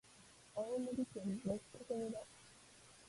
青森県六ヶ所村